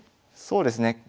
そうですね。